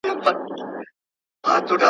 په هوا تللې جوپې د شاهینانو ..